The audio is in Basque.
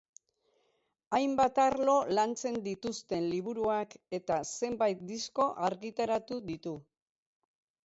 Hainbat arlo lantzen dituzten liburuak eta zenbait disko argitaratu ditu.